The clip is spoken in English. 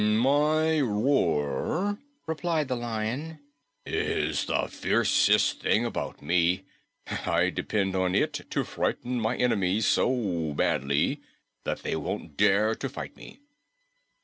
"My roar," replied the Lion, "is the fiercest thing about me. I depend on it to frighten my enemies so badly that they won't dare to fight me."